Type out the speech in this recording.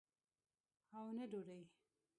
او نه ډوډۍ.